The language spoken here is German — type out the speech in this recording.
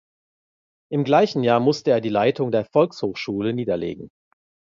Im gleichen Jahr musste er die Leitung der Volkshochschule niederlegen.